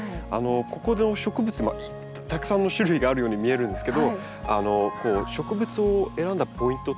ここで植物たくさんの種類があるように見えるんですけど植物を選んだポイントっていうのはどういうところなんですか？